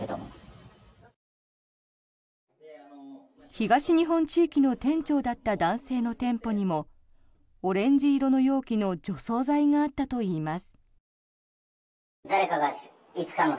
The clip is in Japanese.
東日本地域の店長だった男性の店舗にもオレンジ色の容器の除草剤があったといいます。